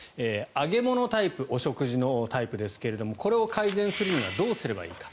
揚げ物タイプお食事のタイプですがこれを改善するにはどうすればいいか。